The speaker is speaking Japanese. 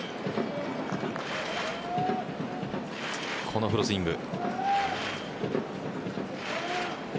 このフルスイング。